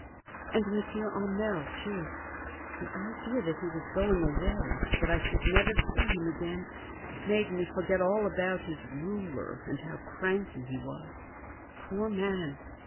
And M. Hamel, too; the idea that he was going away, that I should never see him again, made me forget all about his ruler and how cranky he was. Poor man!